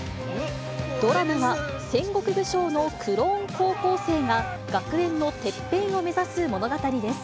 ドラマは戦国武将のクローン高校生が、学園のてっぺんを目指す物語です。